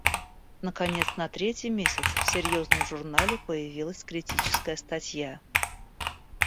Наконец на третий месяц в серьезном журнале появилась критическая статья.